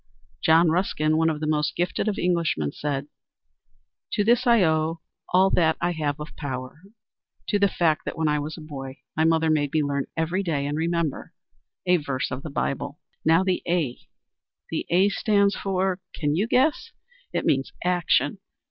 John Ruskin, one of the most gifted of Englishmen, said, "To this I owe all that I have of power, to the fact that when I was a boy my mother made me learn, every day, and remember, a verse of the Bible." Now the A. The A stands for, can you guess? It means Action.